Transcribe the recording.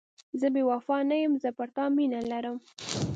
زه بې وفا نه یم، زه پر تا مینه لرم.